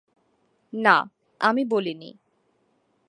না, আমি বলিনি।